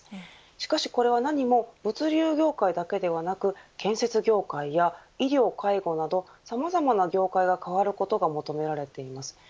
しかしこれは何も物流業界だけではなく建設業界や医療、介護などさまざまな業界が変わることが求められています。